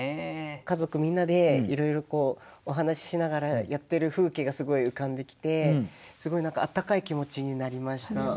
家族みんなでいろいろお話ししながらやってる風景がすごい浮かんできてすごい温かい気持ちになりました。